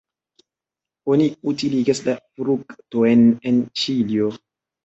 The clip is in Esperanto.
Oni utiligas la fruktojn en Ĉilio.